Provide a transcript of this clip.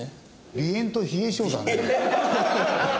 鼻炎と冷え性だね。